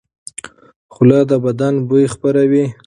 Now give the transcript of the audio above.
خوله د بدن بوی خپروي.